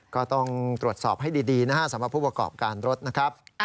ก็ต้องตรวจสอบให้ดีนะฮะสำหรับผู้ประกอบการรถนะครับ